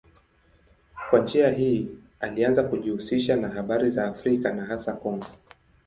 Kwa njia hii alianza kujihusisha na habari za Afrika na hasa Kongo.